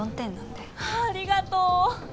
ありがとう！